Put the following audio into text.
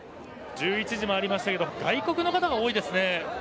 １１時を回りましたが外国の方が多いですね。